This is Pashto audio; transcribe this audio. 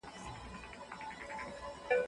ورانوي هره څپه یې د مړو د بګړۍ ولونه.